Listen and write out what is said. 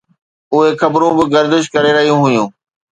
اهي خبرون به گردش ڪري رهيون هيون